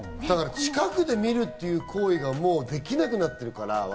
近くで見るっていう行為ができなくなってるから。